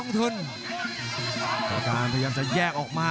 รับทราบบรรดาศักดิ์